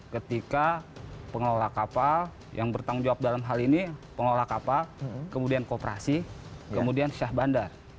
ketika pengelola kapal yang bertanggung jawab dalam hal ini pengelola kapal kemudian kooperasi kemudian syah bandar